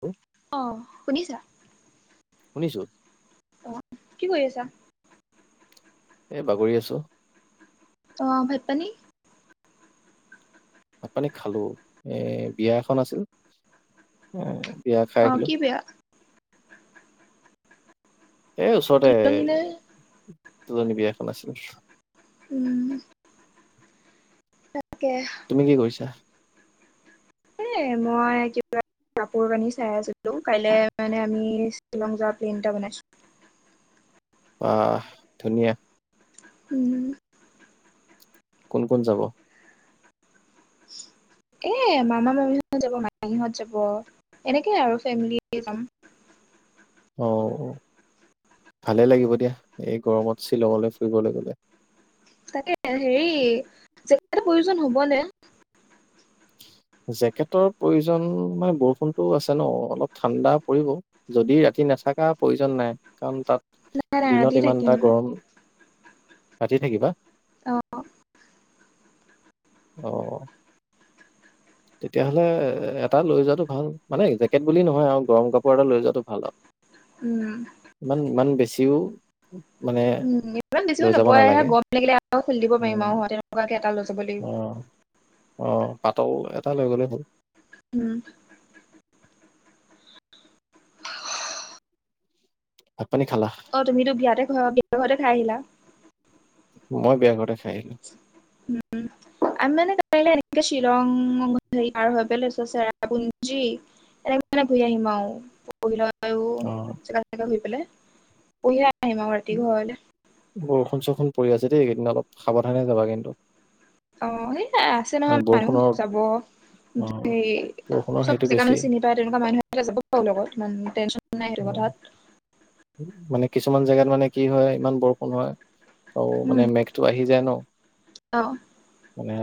অ অ শুনিছা? শুনিছো। অ কি কৰি আছা? এ বাগৰি আছো। অ ভাত পানী? ভাত পানী খালো এ বিয়া এখন আছিল এ বিয়া খাই অ আহিলো। কি বেয়া এ ওচৰতে তুলনি নে তুলনী বিয়া এখন আছিল। উম তাকে তুমি কি কৰিছা? এ মই কিবা কাপোৰ কানি চাই আছিলো। কাইলে মানে আমি শ্বিলং যোৱা প্লেইন এটা বনাইছো। অহ ধুনীয়া। উম কোন কোন যাব? এ মামা-মামীহঁত যাব, মাহীহঁত যাব। এনেকে আৰু ফেমিলী যাম। অ' অ' ভালে লাগিব দিয়া, এই গৰমত শ্বিলঙলে ফুৰিবলে গ'লে। তাকে হেৰি জেকেটৰ প্ৰয়োজন হ'ব নে? জেকেটৰ প্ৰয়োজন মানে বৰষুণতো আছে ন' অলপ ঠাণ্ডা পৰিব। যদি ৰাতি নাথাকা প্ৰয়োজন নাই, কাৰণ তাত নাই নাই ৰাতি দিনত থাকিম ইমানটা গৰম ৰাতি থাকিবা? অ' অ' তেতিয়াহ'লে এটা লৈ যোৱাটো ভাল। মানে জেকেট বুলি নহয় আৰু গৰম কাপোৰ এটা লৈ যোৱাটো ভাল আৰু। উম ইমান বেছিও মানে উম, ইমান বেছিও লৈ যাব নপৰেহে নালাগে গৰম লাগিলে আৰু খুলি দিব উম পাৰিম আৰু তেনেকুৱাকে এটা লৈ যাব অ লাগিব। অ' পাতল এটা লৈ গ'লে হ'ল। উম ভাত পানী খালা? তুমিতো বিয়াতে ঘ [unintelligible] ঘৰতে খাই আহিলা? মই বিয়া ঘৰতে খাই আহিলো। উম আমি মানে কাইলে এনেকে শ্বিলং হেৰি পাৰ পেলাই তাৰপিছত চেৰাপুঞ্জী এনেকে মানে ঘূৰি আহিম আৰু অ [unintelligible] এনেকে শুই পেলাই পঢ়িয়ে আহিম আৰু ৰাতি ঘৰলে। বৰষুণ চৰুষুণ পৰি আছে দেই। এইকেইদিন অলপ সাৱধানে যাবা কিন্তু। অ' সেই আছে মানে নহয় মানুহ বৰষুণৰ যাব অ সেই বৰষুণৰ চব সেইটো জেগা বেছি মানে চিনি ত' তেনেকুৱা মানুহ এটা যাব বাৰু লগত ইমান টেনশ্যন নাই সেইটো অ কথাত। মানে কিছুমান জেগাত মানে কি হয় ইমান বৰষুণ হয়। ত' উম মানে মেঘটো আহি যায় ন'। অ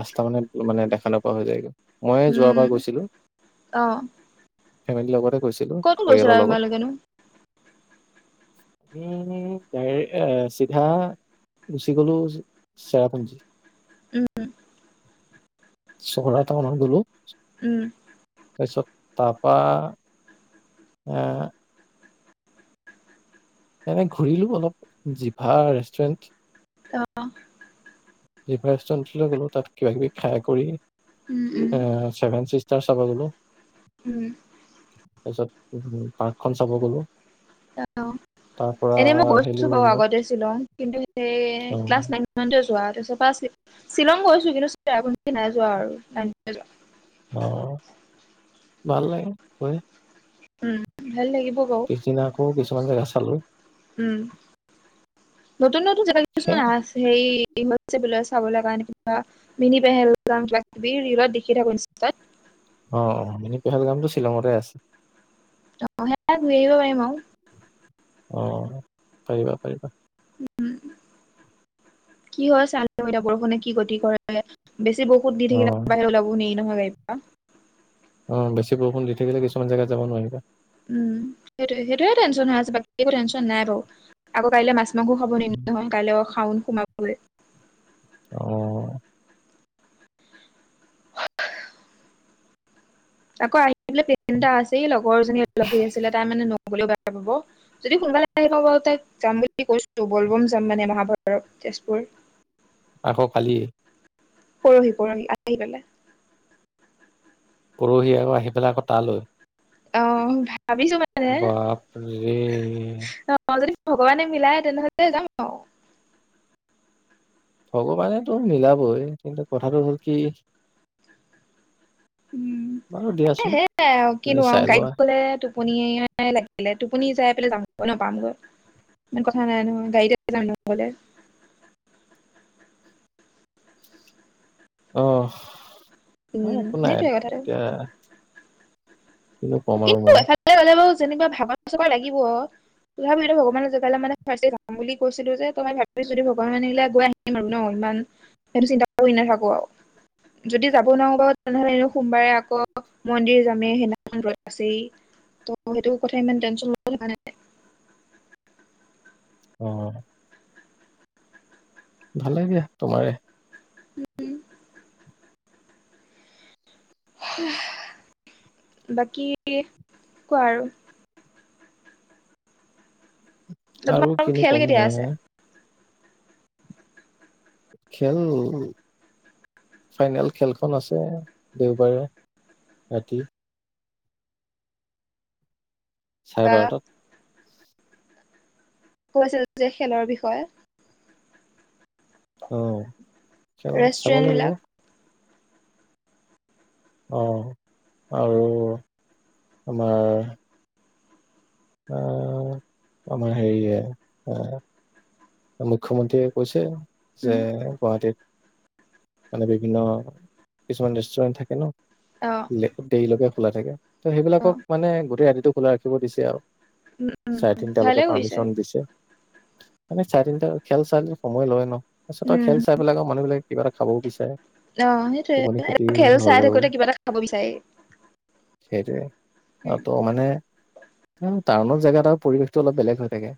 ৰাস্তা মানে মানে দেখা নোপোৱা হৈ যায়, মই এই উম যোৱাবাৰ গৈছিলো। অ ফেমিলীৰ লগতে গৈছিলো ক'ত গৈছিলা পৰিয়ালৰ লগত। তোমালোকেনো উম [unintelligible] চিধা গুচি গ'লো চেৰাপুঞ্জী। উম চহৰা টাউনত গ'লো। উম তাৰপিছত তাৰপা [unintelligible] এনে ঘূৰিলো অলপ জিভা ৰেষ্টুৰেণ্ট অ' জিভা ৰেষ্টুৰেণ্টলৈ গ'লো, তাত কিবা কিবি খাই কৰি উম এ চেভেন চি ষ্টাৰ চাব গ'লো। উম। তাৰ পিছত উ পাৰ্কখন চাব গ'লো। অ' তাৰ পৰা এনেই মই আহিলো গৈছো বাৰু ৰুমত আগতে শ্বিলং, কিন্তু সেই অ ক্লাছ নাইন তে যোৱা তাৰপিছৰ পৰা শ্বিলং গৈছো, কিন্তু চেৰাপুঞ্জী নাই যোৱা আৰু নাইনতে যোৱা। অ', ভাল লাগে গৈ। উম, ভাল লাগিব বাৰু পিছদিনা আকৌ কিছুমান জেগা চালো। উম, নতুন নতুন জেগা সেই কিছুমান আছ সেই মাতছে বোলে চাবলে কাৰণে কিবা মিনি পেহেলগাম কিবা কিবি ৰিলত দেখি থাকো ইনষ্টাত। অ', অ' মানে মিনি পেহেলগাম টো শ্বিলঙতে আছে। অ' সেয়া ঘূৰি আহিব পাৰিম আৰু। অ', পাৰিবা পাৰিবা। উম। কি হয় চাই লওঁ এতিয়া বৰষুণে কি গতি কৰে। বেছি বৰষু ষুণ দি অ থাকিলে বাহিৰ ওলাব নোৱাৰি নহয় গাড়ী পা। অ' বেছি বৰষুণ দি থাকিলে কিছুমান জেগাত যাব নোৱাৰিবা। উম, সেইটোয়ে সেইটোয়ে টেনশ্যন হৈ আছে, বাকী একো টেনশ্যন নাই বাৰু। আকৌ কাইলে মাছ মাংসও খাব নোৱাৰিম নহয়, কাইলৈ অ' শাওন সোমাবই। অ'। আকৌ আহি পেলাই প্লেন এটা আছেই, লগৰ এজনীয়ে লগ ধৰি আছিলে তাই মানে নগ'লেও বেয়া পাব। যদি সোনকালে আহি পাওঁ বাৰু তাইক যাম বুলি কৈছো, ব'লব'ম যাম মানে মহাভৈৰৱ তেজপুৰ। [inaudible] আকৌ কালি? পৰহি, পৰহি আহি পেলাই। পৰহি আকৌ আহি পেলাই আকৌ তালৈ? অ' ভাবিছো মা বাপৰে অ' যদি ভগৱানে মিলায় তেনেহ'লে যাম আৰু। ভগৱানেতো মিলাবই, কিন্তু কথাটো হ'ল কি উম, বাৰু এ দিয়াচোন সেয়াই আৰু তুমি কিনো আৰু চাই লোৱা গাড়ীত গ'লে তো টোপনিয়েই লাগিলে টোপনি যাই পেলাই যামগৈ ন পামগৈ। ইমান কথা নাই নহয়, গাড়ীতে যাম এনেওঁ ঘৰলে। অহ, এ উম একো নাই সেইটোৱে কথাটো দিয়া। কিনো কম আৰু কিন্তু মই। এফালে গ'লে বাৰু যেনিবা ভাগৰ চাগৰ লাগিব। তথাপি এতিয়া ভগৱানৰ জেগালে মানে ফাৰ্ষ্টে যাম বুলি কৈছিলো যে, ত' মই ভাৱিছো যদি ভগৱানে নিলে গৈ আহিম আৰু ন। ইমান সেইটো চিন্তা কৰি নাথাকো আৰু। যদি যাব নোৱাৰো বাৰু তেনেহ'লে এনেও সোমবাৰে আকৌ মন্দিৰ যামেই, সেইদিনা আছেই ত সেইটো কথা ইমান টেনশ্যন ল'ব লগা কথা নাই। অ'। ভালে দিয়া, তোমাৰে বাকী, কোৱা আৰু? আৰু তোমালোকৰ কিনো খেল কম, কেতিয়া মই আছে না। খেল। ফাইনেল খেলখন আছে, দেওবাৰে ৰাতি। চাৰে বা বাৰটাত। কৈছিল যে, খেলৰ বিষয়ে। অ'খেল চাব ৰেষ্টুৰেন্ট লাগিব। বিলাক অ' আৰু আমাৰ। আ আমাৰ হেৰিয়ে, অ'। মুখ্যমন্ত্ৰীয়ে কৈছে, যে উম, গুৱাহাটীত। মানে বিভিন্ন, কিছুমান ৰেষ্টুৰেন্ট থাকে ন'। অ'। দেৰিলকে খোলা থাকে, ত' সেইবিলাকক অ', মানে গোটেই ৰাতিটো খোলা ৰাখিব দিছে আও। উম। চাৰে উম, তিনটালেকে ভালে কৰিছে পাৰ্মিশন দিছে, মানে চাৰে তিনিটা, খেল চাই সময় লয় ন। পাছত আকৌ উম। খেল চাই পেলাই আৰু মানুহবিলাক কিবা এটা খাবও বিচাৰে। অ' সেইটোয়ে, টোপনি ক্ষতি খেল চাই হলেও থাকোতে কিবা এটা খাব বিচাৰে। সেইটোৱে অ' ত' মানে। টাউনৰ জেগাত আৰু পৰিৱেশতো অলপ বেলেগ হৈ থাকে।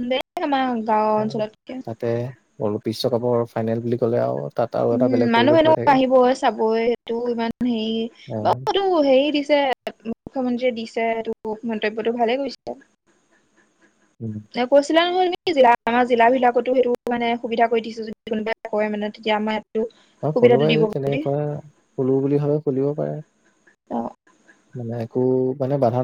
উ দে আমাৰ গাঁৱৰ অঞ্চলতকে। অল বিশ্বকাপৰ ফাইনেল বুলি ক'লে আৰু। তাত আৰু এটা উম' বেলেগ মানুহ পৰিৱেশ হৈ এনেও থাকে আহিবই, চাবই সেইটো ইমান অ হেৰি মো হেৰি দিছে, মুখ্যমন্ত্ৰীয়ে দিছে এইটো মন্তব্যটো, ভালে কৰিছে। [unintelligible] উম'। এ কৈছিলা নহয় তুমি, জিলা আমাৰ জিলা বিলাকতো সেইটো মানে সুবিধা কৰি দিছোঁ, যদি কোনোবাই কয় মানে। এতিয়া আমাৰ। ইয়াতো অ' সুবিধাটো কোনোবাই দিব যদি বুলি তেনেকে কৰা, খুলো বুলি ভাবে খুলিব পাৰে। অ'। মানে একো, মানে বাধা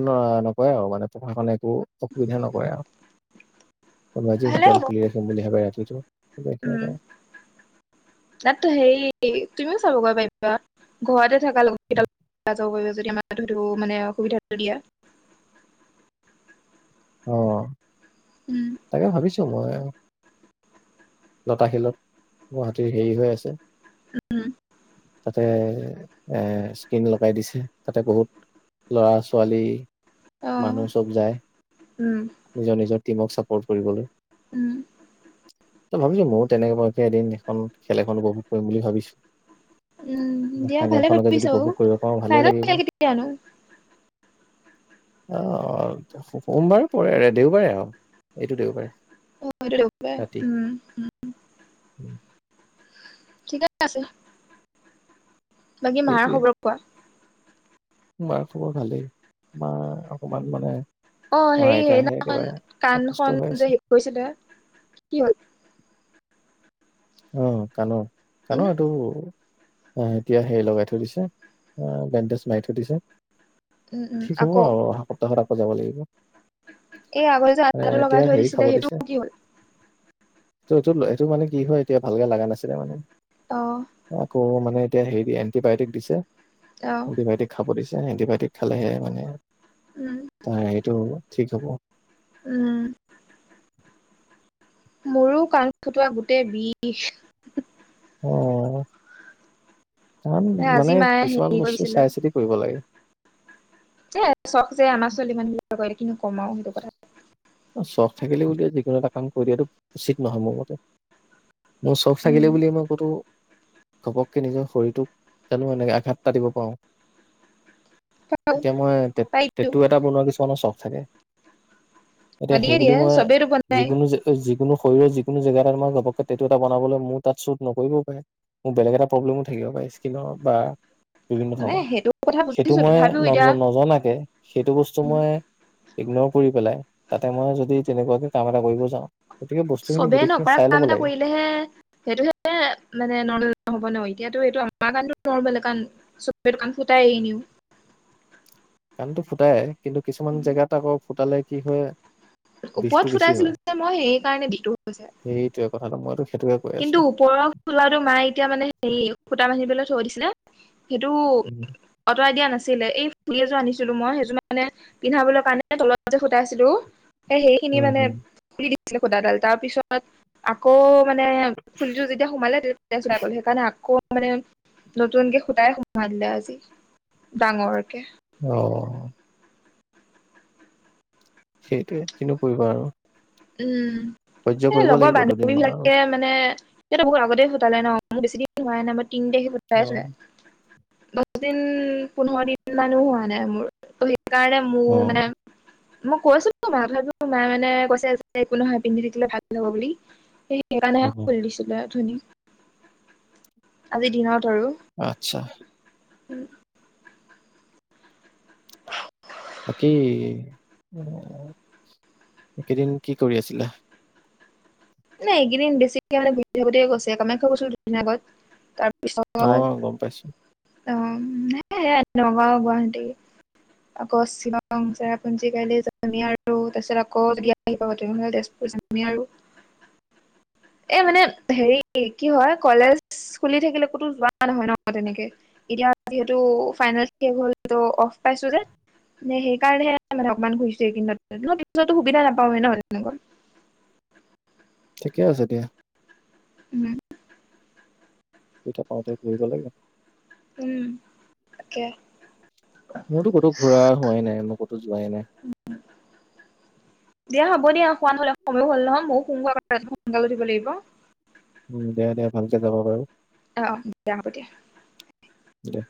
নকৰে আৰু মানে প্ৰশাসনে একো অসুবিধা নকৰে আও। [unintelligible] কম আজি ভালে হোটেল হ'ব খুলি ৰাখিম বুলি ভাবে ৰাতিটো। তাততো হেৰি, তুমিও চাবগৈ পাৰিবা। ঘৰতে থাকা, লগত কেইটা যাব পাৰিব, যদি আমাৰ হয়তো মানে সুবিধাটো দিয়া। অ'। উম'। তাকে ভাবিছোঁ মই। লতাশিলত, গুৱাহাটীৰ হেৰি হৈ আছে। উম তাতে এ স্ক্ৰীন লগাই দিছে, তাতে বহুত ল'ৰা, ছোৱালী। অ মানুহ চব যায়। উম, নিজৰ নিজৰ টিমক চাপৰ্ট কৰিবলে। উম। ত ' ভাবিছোঁ ময়ো তেনেকে এদিন, এখন খেল এখন উপভোগ কৰিম বুলি ভাবিছোঁ। উম' দিয়া ভালে যদি ভাবিছ, উপভোগ কৰিব পাৰো ভালে লাগিব [unintelligible] কেতিয়া নো। অ' সোমবাৰ পৰে, দেওবাৰে আও, এইটো দেওবাৰে। অ' এইটো দেওবাৰে, ৰাতি উম' উম'। উম। ঠিকে আছে, বাকী মাৰ সেইটোৱে খবৰ কোৱা? মাৰ খবৰ ভালেই তোমাৰ অকমান মানে। অ' আমাৰ হেৰি আইতাহে সেইদিনাখন একেবাৰে কাণ অসুস্থ খন হৈ আছে যে হেৰি কৰিছিলে কি হ'ল? অহ কাণৰ উম, কাণৰ টো। আহ এতিয়া হেৰি লগাই থৈ দিছে বেণ্ডেজ মাৰি থৈ দিছে। উম, উম, ঠিক হ'ব আকৌ আৰু অহা সপ্তাহত আকৌ যাব লাগিব। এই আগতে যে হ আঠাটো লগাই এতিয়া থৈ হেৰি দিছিলে খাব সেইটো দিছে। কি হ'ল? টো এইটো সেইটো মানে কি হয় এতিয়া ভালকে লগা নাছিলে মানে। অ' আকৌ মানে এতিয়া হেৰি এণ্টিবায়টিক দিছে অ', এণ্টিবায়টিক। খাব দিছে এণ্টিবায়টিক খালেহে মানে। উ'ম। তাই এইটো ঠিক হ'ব। উ'ম। মোৰো কাণ খটোৱা গোটেই বিষ। অ' কাৰণ আজি মানে মায়ে হেৰি কিছুমান বস্তু কৰিছিলে চাই চিতি কৰিব লাগে। যে চখ যে আমাৰ ছোৱালী মানুহবিলাক ক কিনি কম আৰু সেইটো কথা। চখ থাকিলে বুলিয়ে যিকোনো এটা কাম কৰি দিয়াটো উচিত নহয় মোৰ মতে। মোৰ চখ উম, লাগিলে বুলি মই কতো ঘপকে নিজৰ শৰীৰটোক জানো এনেকে আঘাত পাতিব পাৰো। এতিয়া মই তে পাই তেটু এটা বনোৱা কিছুমানৰ চখ থাকে। এতিয়া দিয়ে সেইবুলি দিয়ে মই চবেইতো বনাই যিকোনো জেগা। যিকোনো শৰীৰৰ যিকোনো জেগাত আমাৰ ঘপকে টেটু এটা বনাবলৈ মোৰ তাত চোট নকৰিবও পাৰে। মোৰ বেলেগ এটা প্ৰব্লেমো থাকিব পাৰে স্কিনৰ বা। বিভিন্ন নাই ধৰণৰ সেইটো কথা সেইটো বুজিছো মই তথাপিও ন এতিয়া নজনাকে। সেইটো বস্তু মই ইগনৰ কৰি পেলাই তাতে মই যদি তেনেকুৱাকে কাম এটা কৰিব যাওঁ। গতিকে বস্তুখিনি চবেই গোটেইখিনি নকৰা চাই ল'ব কাম এটা লাগে কৰিলেহে। সেইটোহে মানে নৰ্মেল হ'ব ন এতিয়াতো এইটো আমাৰ কাৰণতো নৰমেল কাৰণ। চপ্ৰেই কান ফুতাই এনিউ। কাণতটো ফুটাই কিন্তু কিছুমান জেগাত আকৌ ফুটালে কি হয়। ওপৰত বিষটো বেছি ফুটাইছিলো হয় যে মই সেই কাৰণে বিষতো হৈছে। সেইটোৱে কথাটো মইতো সেইটোৱে। কিন্তু ওপৰৰ খোলাটো মায়ে এতিয়া মানে হেৰি সূতা বান্ধিবলৈ থৈ দিছে ন। সেইটো উম আঁতৰাই দিয়া নাছিলে এই ফুলি এযোৰ আনিছিলো মই সেইযোৰ মানে। পিন্ধাবলৈ কাৰণে তলত যে ফুটাই আছিলো। এ সেইখিনি উম মানে হম দি দিছিলে সূতাডাল তাৰ পিছত আকৌ। মানে ফুলি যোৰ যেতিয়া সোমালে তেতিয়া তেজ ওলাই গ'ল সেইকাৰণে আকৌ। মানে নতুনকে সুটাই সুমুৱাই দিলে আজি ডাঙৰকে। অ' সেইটোৱে কিনো কৰিব আৰু। সহ্য উম কৰিব লগৰ লাগিব বান্ধৱী দুদিন মান আৰু বিলাকে মানে। মানে সিহঁতে বহুত আগতেই ফুতালে ন' মোৰ বেছি দিন হোৱাই নাই মই তিনি তাৰিখে অ ফুটাই চুহে। দহ দিন পোন্ধৰ দিন মানো হোৱা নাই মোৰ ত সেইকাৰণে অ মোৰ মানে। মই কৈছো ত মা কথাটোৰ মা মানে কৈছে যে। একো নহয় পিন্ধি থাকিলে ভাল হব বুলি, সেই সেইকাৰণেহে অ খুলি দিছিলে অথনী। আজি দিনত আৰু। আত্ছা। উম'। বাকী, এইকেদিন কি কৰি আছিলা। নাই এইকেইদিন বেছিকে মানে ঘূৰি থাকোতেই গৈছে কামাখ্যা গৈছো দুদিন আগত। তা পিছত অ গম পাইছো অঁ সেয়াই নগাঁও গুৱাহাটী। আকৌ চিমাং চেৰাপুঞ্জী কাইলে যমি আৰু তাৰপিছত আকৌ বিয়া- আহি পাব তেনেহ'লে তেজপুৰ যামেই আৰু। এ মানে হেৰি কি হয় কলেজ খুলি থাকিলে ক'তো যোৱা নহয় ন তেনেকে। এতিয়া যিহেতু ফাইনেল শেষ হল ত অফ পাইছো যে। নে সেইকাৰণেহে মানে অকমান ঘুৰিছো এইকেইদিনত, কিন্তু সুবিধা নাপাওঁৱে ন তেনেকুৱা। ঠিকে আছে দিয়া। উম'। দুইটা পাওঁতে ঘুৰিব লাগে। উম' তাকে। মোৰতো ক'তো ঘূৰা হোৱাই নাই, মই ক'তো যোৱাই নাই। দিয়া হ'ব দিয়া শুৱা নহলে সময়ো হ'ল নহয় ময়ো শুমগৈ ৰাতিপুৱা সোনকালে উঠিব লাগিব। উম' দে দে ভালকে যাবা বাৰু। অঁ অঁ দিয়া হ'ব দিয়া। দে।